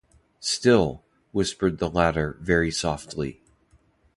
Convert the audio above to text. “Still!” whispered the latter very softly.